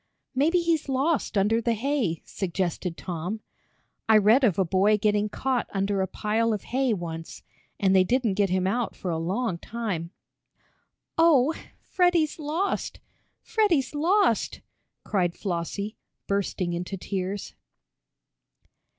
"Maybe he's lost under the hay," suggested Tom. "I read of a boy getting caught under a pile of hay once, and they didn't get him out for a long time." "Oh, Freddie's lost! Freddie's lost!" cried Flossie, bursting into tears.